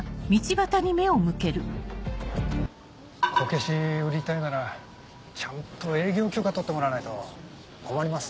こけし売りたいならちゃんと営業許可取ってもらわないと困ります。